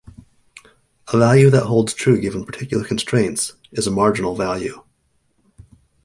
A value that holds true given particular constraints is a "marginal" value.